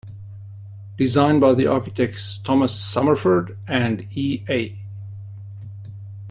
Designed by the architects Thomas Somerford and E. A.